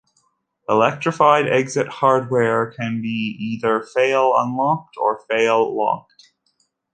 Electrified exit hardware can be either fail unlocked or fail locked.